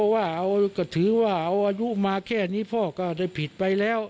ว่าก็ถือว่าเอาอายุมาแค่นี้พ่อก็ได้ผิดไปแล้ว